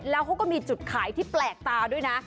แล้วเขาก็มีจุดขายที่แปลกตาด้วยนะ